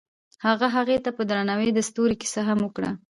هغه هغې ته په درناوي د ستوري کیسه هم وکړه.